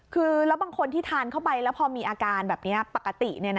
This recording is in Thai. คือแล้วบางคนที่ทานเข้าไปแล้วพอมีอาการแบบนี้ปกติ